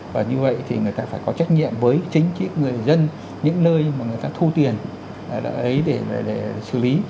và như vậy thì người ta phải có trách nhiệm với chính người dân những nơi mà người ta thu tiền ấy để xử lý